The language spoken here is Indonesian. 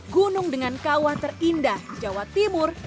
gunung dengan kawah terindah di jawa timur